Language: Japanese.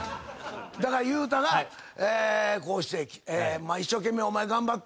だから裕太がこうして一生懸命頑張って。